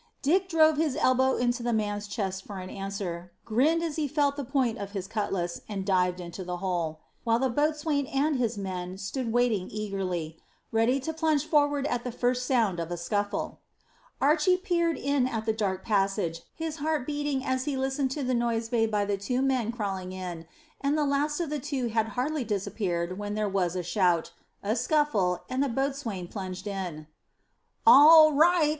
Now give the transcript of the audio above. Dick drove his elbow into the man's chest for an answer, grinned as he felt the point of his cutlass, and dived into the hole, while the boatswain and his men stood waiting eagerly, ready to plunge forward at the first sound of a scuffle. Archy peered in at the dark passage, his heart beating as he listened to the noise made by the two men crawling in, and the last of the two had hardly disappeared when there was a shout, a scuffle, and the boatswain plunged in. "All right!"